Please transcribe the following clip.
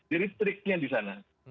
jadi triknya di sana